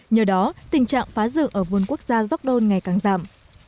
nhờ đó tình trạng phá rừng ở vườn quốc gia york don ngày càng giảm